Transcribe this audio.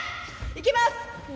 いきます！